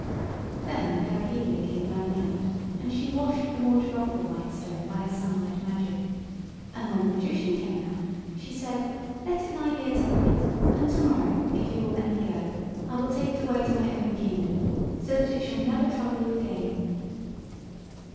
Then Perihelia came running out, and she washed the mortar off the white stone by her Sunlight Magic; and when the Magician come out she said: "Let it lie here to night, and to morrow, if you will let me go, I will take it away to my own kingdom, so that it shall never trouble you again."